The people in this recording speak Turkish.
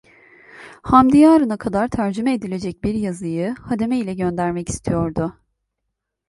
Hamdi yarına kadar tercüme edilecek bir yazıyı hademe ile göndermek istiyordu.